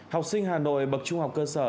học sinh hà nội bậc trung học cơ sở